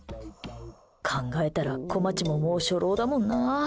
考えたら、こまちももう初老だもんな。